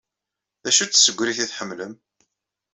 D acu-tt tsegrit ay tḥemmlem?